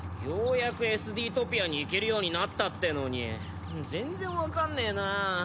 ようやくＳＤトピアに行けるようになったってのに全然わかんねえな。